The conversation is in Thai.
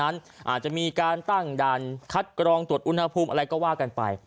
อาจจะมีการตั้งด่านคัดกรองตรวจอุณหภูมิอะไรก็ว่ากันไป